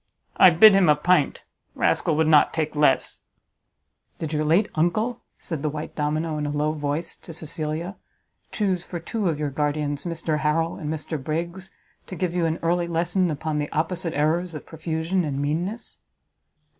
I bid him a pint; rascal would not take less." "Did your late uncle," said the white domino in a low voice to Cecilia, "chuse for two of your guardians Mr Harrel and Mr Briggs, to give you an early lesson upon the opposite errors of profusion and meanness?"